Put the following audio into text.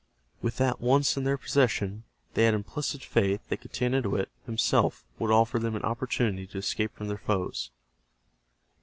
With that once in their possession, they had implicit faith that Getanittowit himself would offer them an opportunity to escape from their foes.